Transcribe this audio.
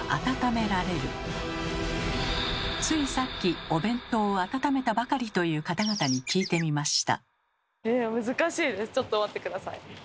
ついさっきお弁当を温めたばかりという方々に聞いてみました。